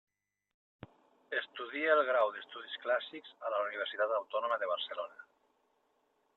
Estudia el grau d'Estudis Clàssics a la Universitat Autònoma de Barcelona.